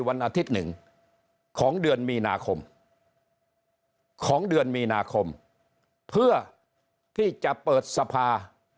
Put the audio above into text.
วันอาทิตย์หนึ่งของเดือนมีนาคมเพื่อที่จะเปิดสะพา